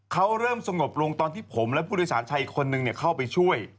เขาเริ่มสงบลงตอนที่ผมและผู้โดยสารชายอีกคนนึงเข้าไปช่วย